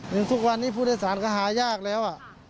ทุกวันนี้ผู้โดยสารก็หายากแล้ว